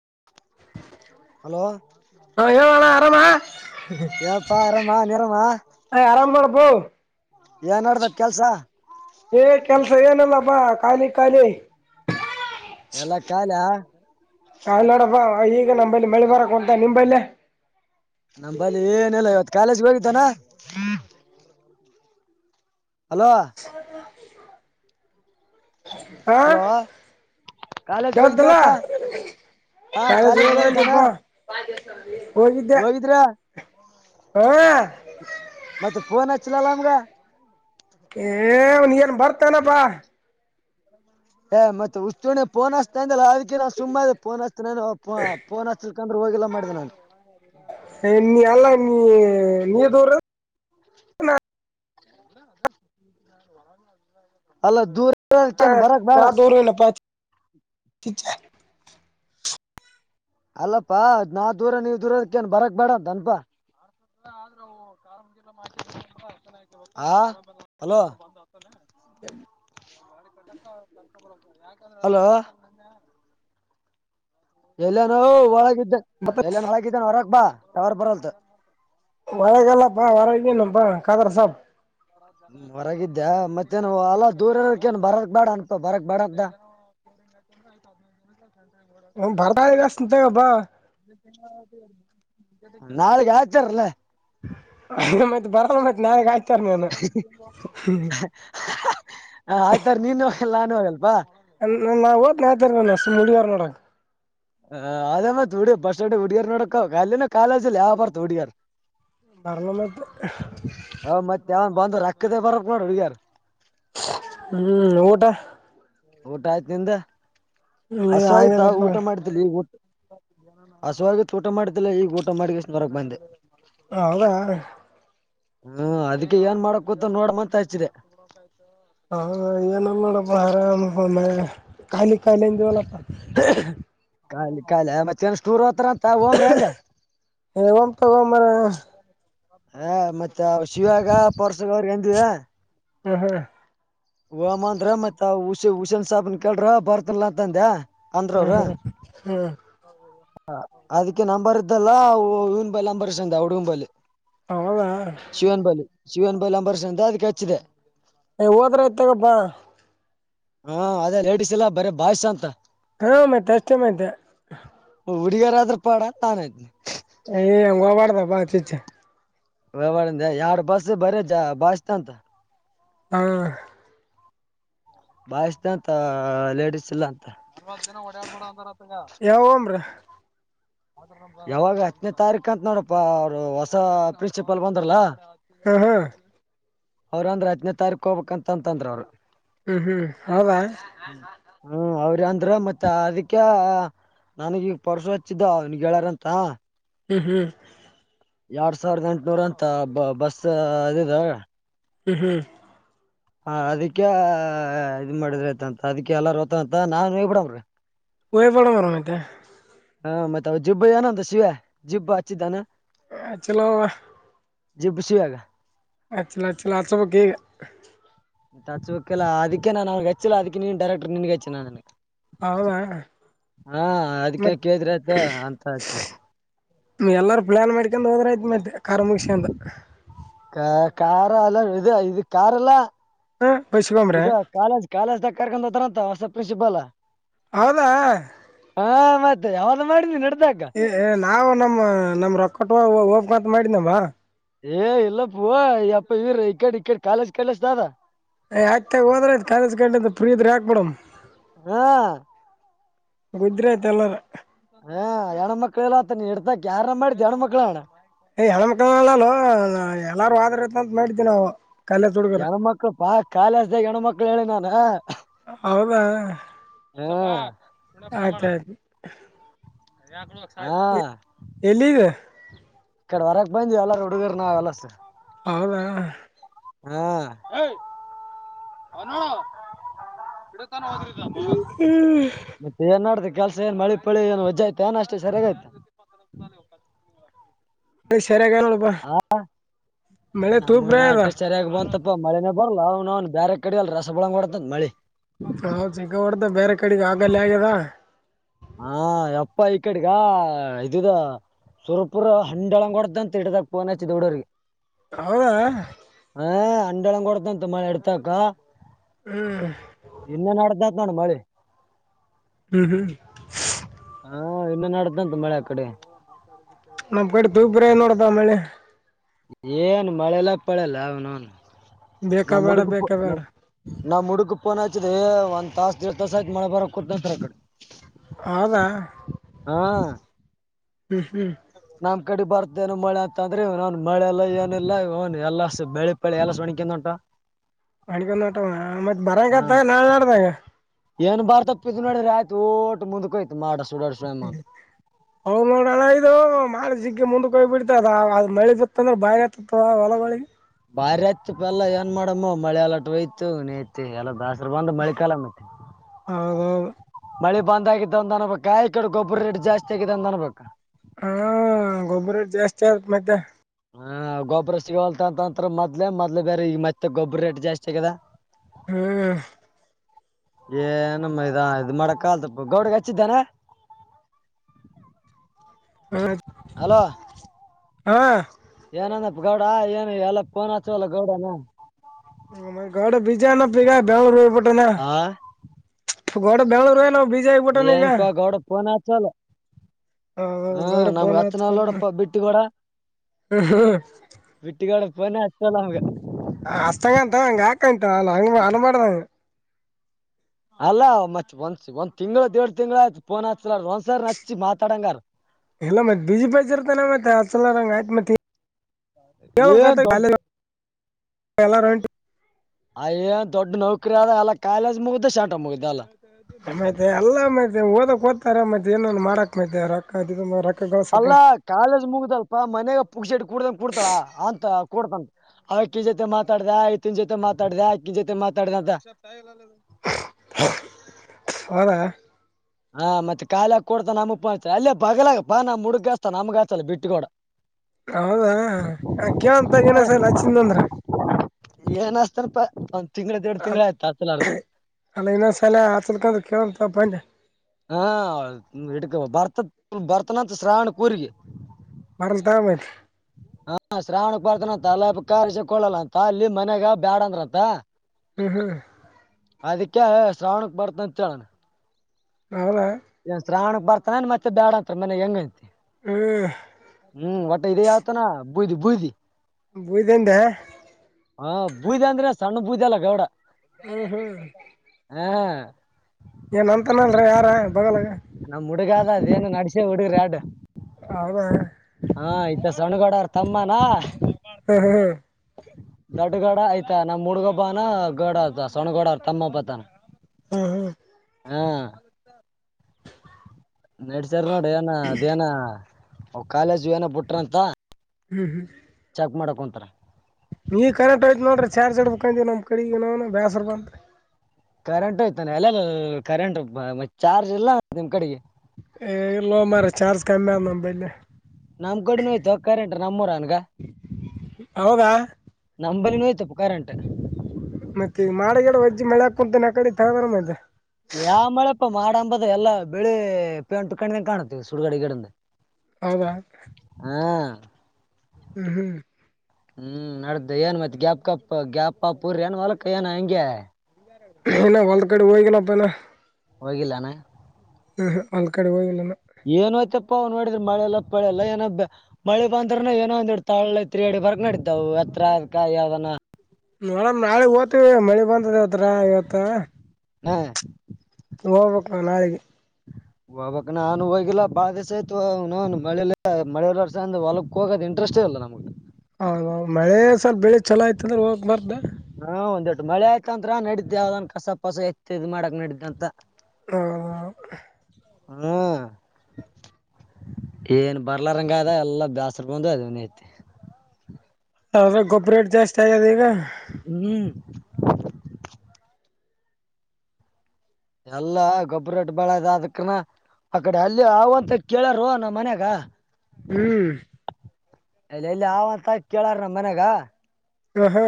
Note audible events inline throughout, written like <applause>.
<inaudible> Hello ಹ ಯೊಳಣ್ಣ ಆರಾಮ ಏಪ್ಪಾ ಆರಾಮ ನೀರಮ್ಮ ಆರಾಮ ಮಾಡರಪ್ಪ ಏನ್ ಆಡ್ದ ಕೆಲ್ಸ ಏನಲ್ಲಪ್ಪಾ ಕಖಾಲಿ ಕಖಾಲಿ ಎಲ್ಲ ಕಾಯಲೆ ಕಾಲ್ನಾಡಪ್ಪ ಈಗ ನಂಬಲ್ಲಿ ಮಳಿ ಬಾರಕ್ ಅಂತ ನಿಂಬೈಲ್ಲ ನಮ ಬಳಿ ಏನೆಲ್ಲ ಇವತ್ ಕಾಲೇಜ್ಗೆ ಹೋಗಿದ್ದಾನ ಹಲೋ ಹಾ ಹಲೋ ಕಾಲೇಜ್ಗೆ ಹೋಗಿದ್ವಿ ಅತ್ತ ಹಾ ಕಾಲೇಜ್ಗೆ ಹೋಗಿದ್ದಾನ ಕೆೇಳಲ್ಲಪ ಒಗಿದ್ದ ಹೋಗಿದ್ರ ಹ ಮತ್ತೆ ಫೋನ್ ಹಚ್ಲಲ್ಲನಮ್ಗ ಏನ್ ಏನ್ ಬರ್ತನಪ್ಪಾ ಏ ಮತ್ತೆ ಹು್ೂಣೆ ಪೋನ್ಷ್ಟತ ನಾ ಸುಮ್ಮನೆ ಫೋನ್ ಹಚ್ತಫೋನ್ ಹಚ್ಕಂದ್ರೆ ಹೋಗಿಲ್ಲಾ ಮಾಡಿದೆ ನಾನನ್ ಹ ನೀ ಅಲ್ಲ ನೀ ನೀ ದೂರ ಅಲ್ಲ ದೂರ ಹ ಇರೋದಕ್ಕೇನ್ ಬರಕ್ ನಾ ಬೇಡ ತೋರಲ್ಲಪ್ಪಾ ಅಲ್ಲಪಾ ನಾ ದೂರ ನೀವ್ ದೂರದಕ್ಕೇಏನ್ ಬರಕ್ ಬೇಡಂತನ್ಪಾ ಹ ಹಲೋ ಹ <unintelligible> ಹಲೋ ಎಲ್ಲನೋವು ಒಳಗಿದ್ದ ಮತ್ತ ಎಲ್ಲನ ಒಳಗಿದ್ದನ ಹೊರಕ್ ಬಾ ಅವವರ್ ಬರಲ್ತ್ ಮಳೆಗಾಲಪಾ ವರಣಪಾ ಕಾದರ ಸಾಪ್ ಹೊರಗಿದ್ದ್ಯಾ ಮತ್ತೇನ್ ಅಲ್ಲ ದೂರ ಇರಕ್ಕೇನ್ ಬರಕ್ ಬೇಡ ಅನ್ಪ ಬರಕ್ ಬೇಡ್ದ <inaudible> ಹ ಬರ್ತಾ ಇದಷ್ಟಂತ ಒಬ್ಬಾ ನಾಳೆಗೆ ಯಾಚಾರಲ್ಲ ಮತ್ ಬರಲ್ಲ ಮತ್ ನಾಳೆಗ್ ಹಾಕ್ತಾರ ಹ ಹ ಆಯ್ತಾರೆ ನೀನು ಲ್ಲಾನು ಹೋಗಲ್ವಾ ನಾ ಓದ್ ನತ ನಷ್ಟ ಮುಡಿವಾರ ನೋಡಕ್ ಹ ಅದಮ್ಮ ತೋಡಿ ಬಸ್ ಉಡಿಯಾರ ನೋಡಕ ಕಾಲ ಕಾಲಜಲ್ಲಿ ಯ ಬಾರ ತುಡಿಯಾರ್ ಪಾರ್ಲಾಮೆಟ್ ಬಂದ ರಕ್ಕೆದೆ ಬರ ಬಡಡಿ ಯಾರ ಹ್ಮ್ ಊಟ ಊಟ ಆಯ್ತ ನಿಂದು ಹಸವ ಆ್ತ ಆಗ್ಯದಪ್ಪ ಊಟ ಮಾಡಿದ ಊಟ ಹಸಾಗ ಊಟ ಮಾಡಿದ್ದಲ್ಲ ಈಗ ಊಟ ಮಾಡಿಷ್ಟ ಹೊರಕ್ ಬಂದೆ ಹೌದಾ ಹ್ಮ ಅದಕ್ಕೆ ಏನ್ ಮಾಡಕೂತ ನೋಡ ಮಂತ ಹಚ್ಚಿದೆ ಹ ಏನ ಮಾಡಪ್ಪ ಆರಾಮ ಖಾಲಿ ಖಾಯಲೆದಳಪ್ಪ ಖಾಲಿ ಖಾಲಿ ಆ ಮತ್ತೆನ ಸ್ಟೋರ್ ಹತ್ರ ಅಂತ ಓಮ್ರ ಹಂಗ ಹಂ <unintelligible> ಹಾ ಮತ್ತೆ ಶಿವಾಗ ಪರ್ಸಗ ಅವ್ರಿಗೆ ಎಂದಿವ ಹ್ಮ ಹ್ಮ್ ಹೋಮಂದ್ರ ಮತ್ತತ್ ಹುಸೆ ಹುಸೇನ್ ಸಾಬನ್ ಕೇಳಲ್ ಬರ್ತನ್ ಅಂತಂದೆ ಹಾ ಹಾ ಹಾ ಹ ಅದಕ್ಕೆ ನಂಬರ್ ಇದ್ದಲ್ಲ ಇವನ್ ಬಲ್ ನಂಬರ್ಸಂದೆ ಹಡುಗಂಬಲ್ಲಿ ಹೌದಾ ಶಿವನ್ ಬಲಿ ಶಿವನ್ ಬಲಿ ಅಂಬರ್ಷ ಅಂತ ಅದಕ್ಕೆ ಹಚ್ಚಿದೆ ಹೋದ್ರ ಹೋಗತಪ್ಪಾ ಹಾ ಅದೇ ಲೇಡಿಸಸ್ ಎಲ್ಲಾ ಬರೀ ಬಾಯ್ಸ ಅಂತ ಆ ಮತ್ತೆ ಅಷ್ಟೇಯ್ತೆ ಹುಡುಗರಾದ್ರರು ಪಡ ತಾನ ಐ್ನನೆ <unintelligible> ವ್ಯವಹಾರಂದ ಎರಡ್ ಬಸ್ ಬರ ಜ ಬಸ್ತ ಅಂತ ಹ ಬಸ್ ಅಂತ ಲೇಡಿಸಸ್ ಇಲ್ಲ ಅಂತ ಅಲ್ವತ್ತು ದಿನ ಹೊಡ ಆಡು ಬಡ ಯಾವ ಹೋಮ್ರ <unintelligible> ಯಾವಾಗ ಹತ್ತನೇ ತಾರೀಖ ಅಂತ ನೋಡಪ್ಪ ಅವರು ಹೊಸ ಪ್ರಿನ್ಸಿಪಾಲ್ ಬಂದ್ರಲ್ಲಾ ಹಾ ಹಾ ಅವ್ರಂದ್ರೆ ಹತನೇ ತಾರೀಕ ಹೋಗ್ಬೇಕಕ್ಂತಂತಂದ್ರ ಅವ್ರು ಹ್ಮ್ ಹ್ಮ್ ಹೌದ ಹ್ಮ್ ಅವ್ರ ಅಂದ್ರ ಮತ್ತ ಅದಕ್ಕೆ ನನಗ ಈಗ ಪರ್ಸು ಹಚ್ಚಿದ್ದ ಅವನ್ಗರಂತ ಹ್ಮ್ ಹ್ಮ್ ಎರಡ್ ಸಾವಿರದ ಎಂಟನೂರ ಅಂತ ಬ ಬಸ್ ಇದಿದೆ ಹ್ಮ್ ಹ್ಮ್ ಹ ಅದಕ್ಕೆ ಇದ್ ಮಾಡಿದ್ರ ಆಯ್ತಂತ ಅದಕ್ಕೆ ಎಲ್ಲಾರು ಓ್ತಂತ ನಾನ್ ಹೇ ಬಿಡವ್ರಿ ಹೋಗಿ ಬಾರಾಮಯತೆ ಹಾ ಮತ್ತೆ ಅವ ಜಿಬ್ಬ ಏನ ಅಂದ ಶಿವ ಜಿಬ್ಬು ಹಚ್ಚಿದ್ದಾನ ಚಲೋ ಜಿ ಬುಷಾಗ ಅ ಚಿಲ ಚಿಲ ಅಚ್ ಬೇಕು ಈಗ ಚ್ ಬುಕ್ಕೆಲ್ಲ ಅದಕ್ಕೆ ನಾನನ್ ಅವ್ಗೆಗಚ್ಚಿಲ್ಲ ಅದಕ್ಕೆ ನೀನ್ ಡೈರೆಕ್ರ್ ನಿನ್ಗೆಚ್ಚೆ ನ ನನ ಹೌದಾ ಹಾ ಮತ್ತೆ ಅದ್ಕ ಕೇಳಿದ್ರೆ ಆಯ್ತು ಅಂತ ಅಂದ್ವಿ. ಎಲ್ಲಾರೂ ಪ್ಲಾನ್ ಮಾಡ್ಕೊಂಡ್ ಹೋದ್ರ ಆಯ್ತ್ ಮತ್ತೆ ಕಾರ್ ಮುಗಸ್ಯಕೊಂಡು. ಕ ಕಾರ್ ಎಲ್ಲ ಇ ಇದು ಕಾರು ಇಲ್ಲ ಹ ಬಸ್ಕೊಂಬ್ರೆ ಇದು ಕಾಲೇಜ್ ಕಾಲೇಜ್ ಕರ್ಕೊಂಡ ಹತಾರಂತ ಹೊಸ ಪ್ರಿನ್ಸಿಪಾಲ ಹೌದಾ ಯಾವ್ದ್ ಮಾಡಾನ ನಡೇ ಏ ನಾವು ನಮ್ಮ ನಮ ರೊಕ್ಕಟ್ಟ ಹಬ್ಕಂತ ಮಾಡಿದನವ ಏ ಇಲ್ಲ ಪೂಪ್ಪ ಇವ್ರ ಈ ಕಡೆ ಈ ಕಡೆ ಕಾಲೇಜ್ ಕಲಿಸ್ಥದ ಯ್ ಆಕ್ತ ಹೋದ್ರ ಕಾಲಜ ಕಂಡ ಫ್ರೀ ನಿದ್ರೆ ಹಾಕ್ಬಿಡಮ ಹಾ ಗೆ ದ್ರೆ ಆಯ್ತ ಎಲ್ಲಾರ ಹಾ ಹೆಣ್ಮಕ್ಳು ಎಲ್ಲತ ನೀ ಇಡ್ತಾ ಯ್ಯಾರ ಮಾಡ್ದ ಹೆಣ್ಮಕ್ಳ ಅಣ್ಣ. ಏ ಹೆಣ್ಮ ಕಲ್ಲ ಎಲ್ಲಾರು ಹಾದ್ರತ್ ಅಂತ ಮಾಡದಿವ್ ನಾವು. ಕಾಲೇಜ್ ಹುಡುಗರ ಹೆಣ್ಮಕ್ಳು ಪಾ ಕಾಲಿಸ್ದಾಗ ಹೆಣ್ಮಕ್ಳು ಹೇಳಿ ನಾನ ಹೌದಾ ಹಾ ಆಯ್ತ್ ಆಯ್ತು. <unintelligible> <unintelligible> ಎಲ್ಲಿಗ್ ಈ ಕಡೆ ವರಕ್ ಬಂದ್ವಿ ಎಲ್ಲರ ಹುಡುಗರ್ ನಾವ ಎಲ್ಲ ಸೇರ್. ಹೌದ ಹೇ <unintelligible> ಮನು <unintelligible> ಮತ್ತೆ ಏನ್ ಮಾಡಡ್ಬೇಕ್ ಕೆಲ್ಸ ಏನ್ ಮಳಿ ಪಳಿ ಏನ್ ವಜಾ ಆಯ್ತ ಏನ ಅಷ್ಟೇ ಸರಿಯಾಗಾಯ್ತ. ಮಳೆ ಸರಿಯಾಗ ನೋಡಪಾ ಹ <unintelligible> ಮಳೆ ತೂಪ್ರ ಅದ ಅಟಷ್ಟ ಸರಿ ಆಗ್ಬಂತಪ್ಪ ಮಳೆನ ಬರ್ಲ್ಲ ಅವ್ ಅವ್ನ್ ಬೇರೆ ಕಡ ಅಲ್ಲಿ ರಸ ಬೊಳಂಗ್ ಬಡತತ್ ಮಳಿ. ಹಾ <unintelligible> ಹೊಡ್ದ ಬೇರೆ ಕಡೆಗೆ ಆಗಲ್ಲ ಆಗ್ಯದ ಹಾ ಯಪ್ಪ ಈ ಕಡೆಗ ಇದಿದು ಸುರಪುರ ಹಂಡಿಳಂಗ ಹೊಡ್ದಂತ ಇಡದಕ್ ಫೋನಚ್ಚಿದುಡ್ಗರಿಗೆ. ಹೌದಾ ಹ ಅಂಡಳಂಗ್ ಕೊಡತಂತ ಮಳೆ ಇಡ್ತಕ್ಕ ಇನ್ನ ನಡತ <unintelligible> ಮಳಿ ಹ್ಮ್ ಹ್ಮ್ ಹಾ ಇನ್ನ ನಾಡ್ದಂತು ಮಳೆ ಆ ಕಡೆ. ನಮ್ಮ ಕಡೆ ತೂಬ್ರ ನೋಡಪ ಮಳೆ. ಏನ್ ಮಳೆಲ್ಲ ಪಳೆಲ್ಲ ಅವನೌನು ಬೇಕಾ ನಾ ಬೇಡ ಮುಡುಗ ಬೇಕಾ ಬೇಡ <unintelligible> ಪೋನಚದೇ ಒಂದ್ ತಾಸ <unintelligible> ತಾಸ ಆಯತ ಮಳೆ ಬರಕೂತಂದ್ರೆ ಅ ಕಡೆ ಹೌದ ಹಾ ಹ್ಮ್ ಹ್ಮ್ ನಮ್ ಕಡೆ ಬರ್ತೇನು ಮಳೆ ಅಂತ ಅಂದ್ರೆ ಇವನೌನ್ ಮಳೆ ಎಲ್ಲ ಏನಿಲ್ಲ ಇವನ್ ಎಲ್ಲ ಬೆಳಿ ಬೆಳಿ ಎಲ್ಲ ಸ ಒಣಕಿಂದ ಒನ್ಟ ಅಣಗನಟವ ಮತ್ ಹಾ ಬರಂಗತ್ತ ನಾಳ್ನಾಡ್ದಾಗ ಏನ್ ಬರ್ತತ್ <unintelligible> ನೋಡಿ ತೋಟ ಮುಂದ್ಕೋಯತು ಮಾಡ್. <unintelligible> ಅವ ನೋಡಳ ಮ ಜಿಗ್ಗ ಮುಂದಕ್ಕೆ ಹೋಗ್ಬ ಬಿಡ್ತ ಅದ ಅ್ ಮಳೆ ಬತ್ತಂದ್ರೆ ಬಾಯ ಆತತ್ವ ಹೊಲಗೊಳಿ ಬಾರಿ ಆಯತಿ ಪ ಎಲ್ಲಾ ಏನ್ ಮಾಡಮ್ಮು ಮಳೆ ಎಲ್ಲಟ ಹಯ್ತು ನೇಯ್ತಿ ಎಲ್ಲ ಬಾ ಬಂದು ಮಳೆ ಕಾಲ ಮತ್ತೆ <unintelligible> ಹೌದೌದು ಮಳೆ ಬಂದ ಆಗಿದ್ದ <unintelligible> ಅನ್ಬೇಕ ಆ ಈ ಕಡೆ ಗೊಬ್ಬರ ರೇಟ್ ಜಾಸ್ತಿ ಆಗಿದೆ ಅಂದ ಅನ್ಬೇಕ. ಹಾ ಗೊಬ್ಬರ ಜಾಸ್ತಿ ಆಯತ್ ಮತ್ತೆ ಹಾ ಗೊಬ್ಬರ ಸಿಗೋಲ್ತ ಅಂತ ಅಂತ್ರ ಮದ್ಲೆ ಮೊದ್ಲು ಬೇರೆ ಈಗ ಮತ್ತೆ ಗೊಬ್ಬ್ರ ರೇಟ್ ಜಾಸ್ತಿ ಆಗ್ಯದ. ಹಾ <unintelligible> ಏ ನಮ್ಮ ಇದ ಇ ಮಾಡಕ್ಕಲ್ದಪ್ಪ ಗೌಡಗೆ ಹಚ್ಚಿದ್ದಾನ. <unintelligible> ಹ್ಮ ಹಲೋ <unintelligible> ಹಾ ಏನಂದಪ್ಪ ಗೌಡ ಏನು ಎಲ್ಲ ಪಫೋನ್ ಹಚ್ಚಲ್ಲ ಗೌಡನ ಗಡೆ ಬೀಜಾ ನ ಪೀಗ ಬ ರ ಹಾ <unintelligible> ಬೆಂಗ್ಳೂರ್ ಎನ್ ಏನಪ್ಪ ಗೌಡ ಪೋನ್ಚಲ. ಹಾ ಗೋಡ ಫೋನ್ ನಮ್ಗೆ ಹಚ್ಚ ಅಚ್ಚನಲ್ಲೋಡಪ್ಪ ಬಿಟ್ಟಿಗೋಡ. <unintelligible> ಫೋನ ಹಚ್ಚಲ್ಲ ನಮ್ಗೆ ಅಷ್ಟಂಗ ಅಂತ ಹಂಗ ಆಕಂತ ಅ <unintelligible> ಮಾಡ್ದಂಗ ಅಲ್ಲ ಮತ್ ಒಂದ್ ಒಂದ್ ತಿಂಗ್ಳ ದೇಲ್ ತಿಂಗಗಳು ಆಯ್ತ ಫೋನ್ ಹಚ್ಲಾರ ಒಂದ್ಸರಿ ನಚ್ಚಿ ಮಾತಾಡಂಗಾರ್ ಾಯ್ತ್ ಮ ಏನ್ ದೊಡ್ಡ ಎಲ್ಲಟ ಅ ಏನ್ ದೊಡ್ಡ ನೌಕರಿಿ ಆದ ಅಲ್ಲ ಕಾಲೇಜ್ ಮುಗ್ದ ಶಂಟ ಮುಗ್ದ ಅಲ್ಲಾ ಎಲ್ಲ ಮ ಓದಕ್ ದ್ತಾರ ಮತ್ತೆ ಏನೊ ಮಾಡಕ್ ಮೈ ರ ಅಲ್ಲಾ ಕಾಲೇಜ್ ಮುಗ್ದಲ್ಪ ಮನಾಗ ಪುಕ್ ಶೆಡ್ ಕುೂಡ್ದಂಗ ಕುಡ್ತಾಳ ಅಂತ ಕೊಡ್ತಂ ಅಕ್ಕಿ ಜೊತೆ ಮಾತಾಡ್ದ ಇಐತ್ತಿನ ಜೊತೆ ಮಾತಾಡ್ದ ಅಕ್ಕಿ ಜೊತೆ ಮಾತಾಡ್ದ ಅಂತ <unintelligible> ಹದಾ ಹಾ ಮತ್ತೆ ಕಾಲಾ ಕೊಡ್ತಾ ನಮ್ಮಪ್ಪ ಅಲ್ಲೇ ಬಗ್ಲ ಬಾ ನ ಮುುಗಾಸ್ತ ನಮ್ಗಸ್ಲ್ಲ ಬಿಟ್ಟಗೋಡ ಹೌದಾ ಆ ಕಂತ ಏನಸಲ್ಲ ಚಿಂದಂದ್ರ ಏನ್ತಾನಪ್ಪ ಅ ಅಲ್ಲಿ ಇನ್ನು ಸಾಲ ಹತಕಂತ ಕೇಳ್ಂತ ಬಜ ಹಾ ಹಡ್ಕ ಬರ್ತ ಭರ್ತನಂತ ಶ್ರಾವಣ ಕೂರ್ಗ ಬರಲ್ಲದ ಮೇ ಹ ಶ್ರಾವಣಕ್ ಪರ್ತನ ಅಂತ ಅಲ್ಲ ಉಪ ಕಸಿಕೊಳ್ಳಲ್ಲ ಅಂತ ಅಲ್ಲಿ ಮನೆಗ ಬ್ಯಾಡಂದ್ರಂತ ಹ್ಮ್ ಹ್ಮ್ ಅದಕ್ಕೆ ಶ್ರಾವಣಕ್ ಬರ್ತ ಅ ಚಳಣ ನಾವಲಲೆ ಬರ್ತಾನನ್ ಮತ್ತೆ ಬ್ಯಾಡ ಅಂತ ಮನ್ ಹೆಂಗೈತಿ ಹ್ಮ್ ಹ್ಮ್ ಒಟ್ಟ ಇದ ಯಾವತನ ಬುದಿ ಬುುದ್ದಿ ಬೂುದದದ ಹ ಬೂದ್ ಅಂದ್ರೆ ಸಣ್ಣ ಬೂದ್ ಅಲ್ಲ ಗೌಡ ಹ್ಮ್ ಹ್ಮ್ ಹ ಏನ್ ಅಂತನಲ್ರ ಯಾರ ಬಗಲಾಗ ನಮ್ ಹುಡುಗದ ಅದೇನು ನಡಸ್ಯ ಹುಡುಗ್ರ ಎರಡ್ಡು ಹೌದಾ ಹಾ ಇತ ಸಣ್ಣಗೌಡ ಅವ್ರ ತಮ್ಮನಾ ಹ್ಮ್ ಹ್ಮ್ ದೊಡ್ಡ ಗಡ ಆಯ್ತ ನಮ್ಮ್ ಹುಡುಗಬಾನ ಗೋಡ ಸೊಣ್ಣಗೋಡ ತಮ್ಮಪ್ಪತನ ಹ್ಮ್ ಹ್ಮ್ ಹಾ ನಡ್ಸ್ಯಾರ ನೋಡ ಏನ ಅದೇನ ಅವ ಕಾಲೇಜ ಏನ ಬಿುಟ್ರಂತ ಹ್ಮ್ ಹ್ಮ್ ಮಾಡಕೊಂತರ ನೀ ಕರೆಕ್ಟ್ೋಯ್ತು ನೋಡ್ರಿ ಚಾರ್ಜ್ ಆಡ್ಬೇಕಂತೀವ ನಮ್ ಕಡೆ ಬೇಸ್ ರ ಬಾ ಅಂತರಿ ಕರೆಂಟು ಆಯ್ತಾನ ಎಲ್ಲ ಕರೆಂಟ್ ಮ ಚಾರ್ಜ್ ಇಲ್ಲ ನಿಮ್ ಕಡೆಗೆ ಲ್ಲೋ ಮಾರ ಚಾರ್ಜ ಕಮಿ ನ ಬಲೆ ನಮ ಕಡನುೋಯ್ತುಕ್ಕಾರನ್ ನಮ್ಮೂರ ಅನ್ಗ ಹೌದಾ ನಂಬಲ್ಲಿ ನೋಯ್ತಪ್ಪು ಕಾರಂಟ ಂತ ನ ಕಡೆ ರ್ದ ದ ಎಲ್ಲಾ ಬೆಳಿ ಪೆ ಉಂಟು ಕೊಂಡಂ ಕಾಣುತ್ತೀವಿ ಸುಡುಗಡೆ ಗಿಡದ ಹೌದಾ ಹ್ಮ್ ಹ್ಮ್ ಹ್ಮ್ ಹ್ಮ್ ನಡ್ದು ಏನ್ ಮತ್ತತ್ ಗ್ಯಾಪ್ಕಪ್ ಗ್ಯಾಪ ಪೂರ್ರ ಏನ್ ಹೊಲಕ ಏನ ಹಂಗೆ ್ಣ ವಲದಕಡೆ ಹೋಗಲಪ್ಪನ್ನ ಹಗಿಲ್ಲಾನ ಹ್ಮ ಅಲ್ ಕಡೆ ಹೋಗಿಲ್ಲಾನ ಏನೋಯ್ತಪ್ಪ ಅವ್ ನೋಡಿದ್ರ ಮಳೆಲ್ಲಾ ಪಳೆಲ್ಲ ಏನ ಬ ಮಳೆ ಬಂದ್ರನ ಏೋ ಒಂದ ತಾಳ ಐತ್ರಿ ಎಡಿ ಬರಗ್ ನಡ ಎತ್ರ ಅಕ ಅದಾನ ನೋಡಮ ನಾಳೆಗ್ ೋಗ್ವಿ ಮಳಿ ಬಂದದ ಅವಾವತ್ರ ಇವತ್ತ ಹ್ಮ ಹೋಬಕ್ಕ ನಾಳೆಗೆ ಹೋಗಬಕ್ ನಾನು ಹೋಗಿಲ್ಲಾ ಬಾಳ ದಿವಸ ಆಯ್ತು ನ ಮಳೇ ಮಳೆರ್ಸ ಅಂದ ಹೊಲಕ್ ಹೋಗದ ಎಂಟ ಅಷ್ಟೇ ಅಲ್ಲ ನಮ್ಗೆ ಹೌ ಮಳೆ ಸಲ್ ಬೆಳಿ ಚಲೋ ಆಯ್ತ ಅಂದ್ರೆ ಹೋಗ್ಬಾರ್ದ ಹಾ ಒಂದ್ಟ್ಮಳೆ ಆಯ್ತಂದ್ರ ನಡ್ದ ಯಾವ್ದನ್ ಕಸ ಪಸ ಎತ್ತ ಇದ್ ಮಾಡಕ್ ನಡ್ದಂತ ಹ ಹ್ಮ ಏನ್ ಬರ್ಲಾರಂಗ ಅದ ಎಲ್ಲ ಬ್ಯಾಸರ್ಕಂದು ಅದನ ಐತಿ ಆದ್ರೆ ಗೊಬ್ಬ ರೇಟ್ ಜಾಸ್ತಿ ಆಗ್ಯದ ಈಗ ಹ್ಮ್ ಎಲ್ಲಾ ಗೊಬ್ಬ್ರಟ್ಟ ಬಳೆದ ಅ ಆದಕನ ಆ ಕಡೆ ಅಲ್ಲಿ ಆವು ಅಂತ ಕೇಳರು ನ ಮನ್ಯಾಗ ಹ್ಮ್ ಎಲ್ಲ ಎಲ್ಲಿ ಅವಾವಂತ ಕೇಳಾರ ನಮ್ಮ್ ಮನ್ಯಾಗ ಹ ಹಾ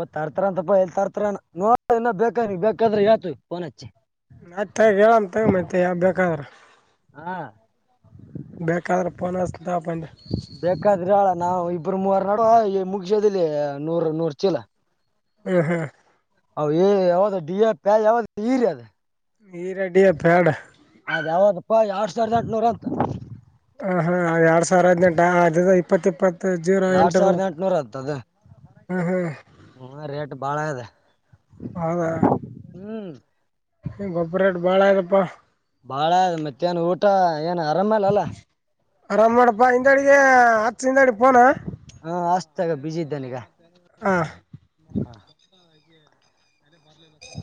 ಓ್ತರ್ತಾರ ಅಂತಪ್ಪ ಎಲ್ಲಿ ತರ್ತಾರ ನೋ ಇ ಬೇಕ ನೀ ಬೇಕಾದ್ರೆ ಯತು ಆಯ್ತ್ ತಗ ಹೇಳಮ್ಮ ತಗ ಮೈತೆ ಯಾವ ಬೇಕಾದ್ರ ಹಾ ಬೇಕಪನಲ್ಲ ಬೇಕಾದ್ರಿ ಅಳ ನಾವವು ಇಬರು ಮೂವರ್ ನಡುುವ ಮುಗಸೋದಿಲ್ಲ ನೂರ್ ನೂರ್ ಚೀಲ ಹ್ಮ್ ಹ್ಮ್ ಹ ಯಾವ್ದ ಡಿ ಎ ಪ್ಯ್ ಯಾವ್ದ ಈರಿ ಅದ ಈರಡಿಯ ಬ್ಯಾಡ್ ಅದ್ ಯಾವದಪ್ಪಾ ಎರಡ್ ಸಾವಿರದ ಎಂಟನೂರ ಅಂತ ಹ ಹಾ ಎರಡ್ ಸಾವಿರ ಹದ್ಟದ ಇಪ್ಪತ್ ಇಪ್ಪತ್ತು ಎರಡ್ ಸಾವಿರದ ಎಂಟನೂರ ಆತದು ಹ್ಮ ಹ್ಮ್ ಹ ರೇಟ್ ಬಾಳ ಇದೆ ಹೌದ ಹ್ಮ್ ಗೊಬ್ಬರೇಟ್ ಬಾಳ ಆಯತಪ್ಪಾ ಬಾಳ ಮತ್ತ ನ್ ಊಟ ಏನು ಆರಾಮೇಾಲ ಅಲ್ಲ ಅರ ಮಾಡಡಪ್ಪಾ ಹಿಂದ ಅಡಿಗೆ ಆಚ್ ಹಿಂದ ಅಡಿ ಪೋನ ಹಾ ಆಷ್ಟತಗ ಬಿಸಿ ಇದ್ದಾನ ಈಗ ಹ ಹ